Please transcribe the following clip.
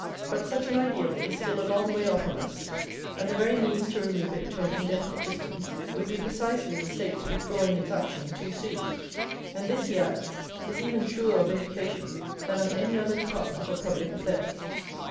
But such an ideal is still a long way off from us, and the very means to remove it to an indefinite distance would be precisely the State's withdrawing its action too soon." And this, he adds, is even truer of education than of any other department of public affairs.